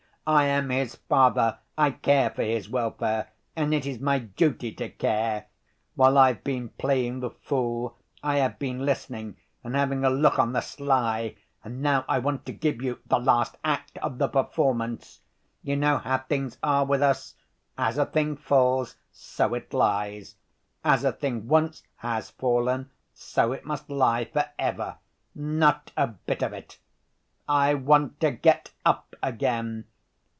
I am his father; I care for his welfare, and it is my duty to care. While I've been playing the fool, I have been listening and having a look on the sly; and now I want to give you the last act of the performance. You know how things are with us? As a thing falls, so it lies. As a thing once has fallen, so it must lie for ever. Not a bit of it! I want to get up again.